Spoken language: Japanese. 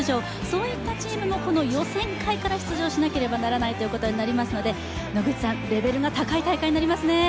そういったチームも、この予選会から出場しなければならないことになりますので、野口さん、レベルが高い大会になりますね。